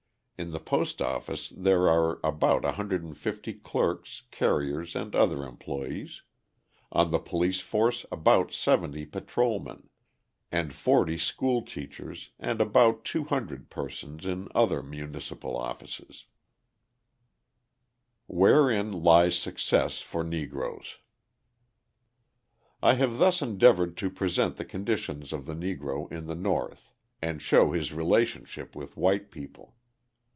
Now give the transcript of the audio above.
In the post office there are about 150 clerks, carriers and other employees, on the police force about 70 patrolmen, and 40 school teachers and about 200 persons in other municipal offices. Wherein Lies Success for Negroes I have thus endeavoured to present the conditions of the Negro in the North and show his relationship with white people.